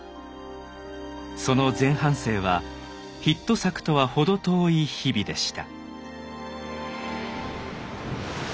その前半生はヒット作とは程遠い日々でした。